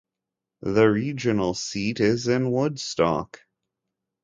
The regional seat is in Woodstock.